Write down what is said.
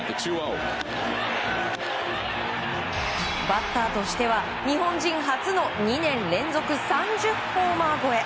バッターとしては日本人初の２年連続３０ホーマー超え。